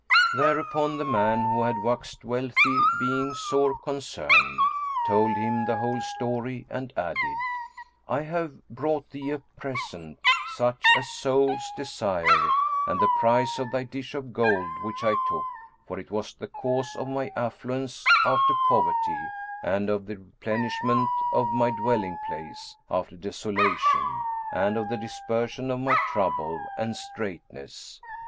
Thereupon, the man who had waxed wealthy being sore concerned, told him the whole story, and added, "I have brought thee a present, such as souls desire, and the price of thy dish of gold which I took; for it was the cause of my affluence after poverty, and of the replenishment of my dwelling place, after desolation, and of the dispersion of my trouble and straitness."